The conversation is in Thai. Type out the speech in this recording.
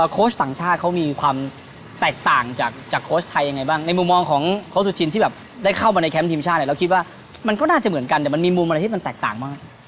โค้ชต่างชาติเขามีความแตกต่างจากโค้ชไทยยังไงบ้างในมุมมองของโค้ชสุชินที่แบบได้เข้ามาในแคมป์ทีมชาติเนี่ยเราคิดว่ามันก็น่าจะเหมือนกันแต่มันมีมุมอะไรที่มันแตกต่างมาก